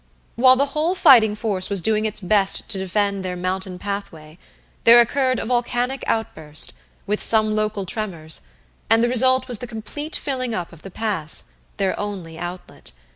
While the whole fighting force was doing its best to defend their mountain pathway, there occurred a volcanic outburst, with some local tremors, and the result was the complete filling up of the pass their only outlet.